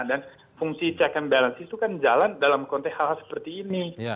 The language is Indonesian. dan fungsi check and balance itu kan jalan dalam konteks hal hal seperti ini